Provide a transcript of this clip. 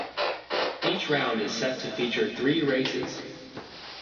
Each round is set to feature three races.